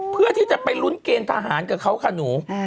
เพื่อที่จะไปลุ้นเกณฑ์ทหารกับเขาค่ะหนู